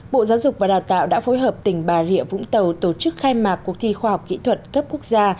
bộ giáo dục và đào tạo đã phối hợp tỉnh bà rịa vũng tàu tổ chức khai mạc cuộc thi khoa học kỹ thuật cấp quốc gia